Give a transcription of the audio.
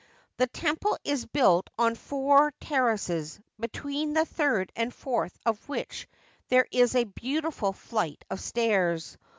The temple is built on four ter races, between the third and fourth of which there is a beautiful flight of stairs.